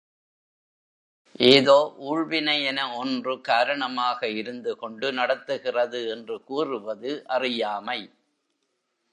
ஏதோ ஊழ்வினை என ஒன்று காரணமாக இருந்துகொண்டு நடத்துகிறது என்று கூறுவது அறியாமை.